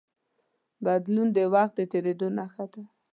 بدلون د وخت د تېرېدو نښه ده.